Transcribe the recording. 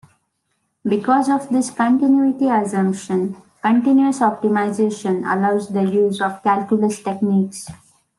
Because of this continuity assumption, continuous optimization allows the use of calculus techniques.